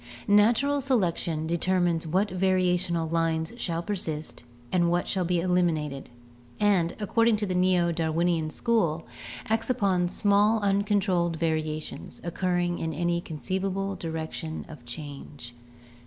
Natural selection determines what variational lines shall persist and what shall be eliminated, and, according to the Neo Darwinian school, acts upon small uncontrolled variations, occurring in any con ceivable direction of change.